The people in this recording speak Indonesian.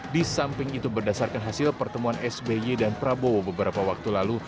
di samping itu berdasarkan hasil pertemuan sby dan prabowo beberapa waktu lalu